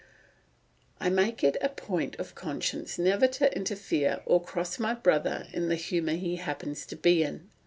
"I make it a point of conscience never to interfere or cross my brother in the humour he happens to be in.